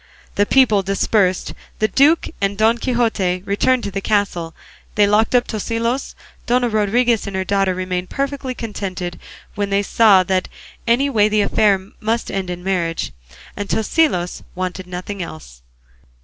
The people dispersed, the duke and Don Quixote returned to the castle, they locked up Tosilos, Dona Rodriguez and her daughter remained perfectly contented when they saw that any way the affair must end in marriage, and Tosilos wanted nothing else.